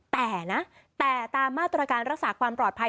แต่นะแต่ตามมาตรการรักษาความปลอดภัย